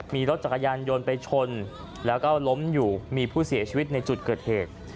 มีรถจักรยานยนต์ไปชนแล้วก็ล้มอยู่มีผู้เสียชีวิตในจุดเกิดเหตุ